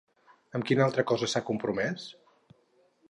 Amb quina altra cosa s'ha compromès?